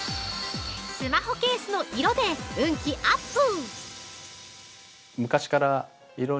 スマホケースの色で運気アップ！